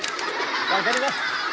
分かります。